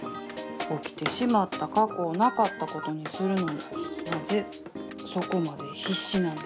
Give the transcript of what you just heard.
起きてしまった過去をなかったことにするのになぜそこまで必死なんでしょう。